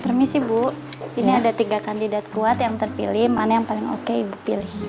permisi bu ini ada tiga kandidat kuat yang terpilih mana yang paling oke ibu pilih